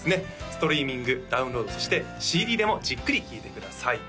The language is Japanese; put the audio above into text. ストリーミングダウンロードそしてＣＤでもじっくり聴いてください